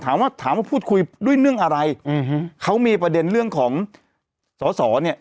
ถามว่าถามว่าพูดคุยด้วยเรื่องอะไรอืมเขามีประเด็นเรื่องของสอสอเนี่ย